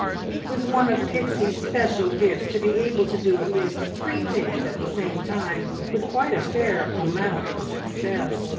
It was one of Pixie's special gifts to be able to do at least three things at the same time with quite a fair amount of success.